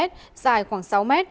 dài khoảng sáu m